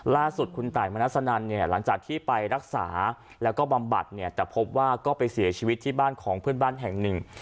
ล่าสุดคุณตายมนัสนันเนี่ยหลังจากที่ไปรักษาแล้วก็บำบัดเนี่ยแต่พบว่าก็ไปเสียชีวิตที่บ้านของเพื่อนบ้านแห่งหนึ่ง